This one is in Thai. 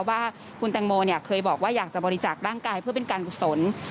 ว่าคุณแตงโมเคยบอกว่าอยากจะบริจาคร่างกายเพื่อเป็นการกุศล